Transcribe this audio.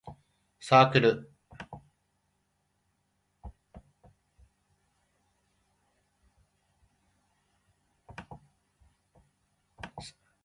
サークル